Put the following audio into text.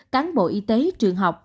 cáng bộ y tế trường học